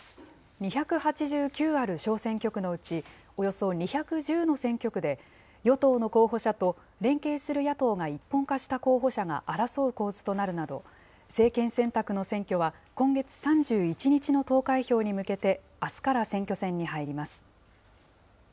２８９ある小選挙区のうち、およそ２１０の選挙区で、与党の候補者と、連携する野党が一本化した候補者が争う構図となるなど、政権選択の選挙は、今月３１日の投開票に向けて、あすから選挙戦に入ります。